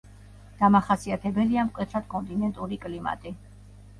დამახასიათებელია მკვეთრად კონტინენტური კლიმატი.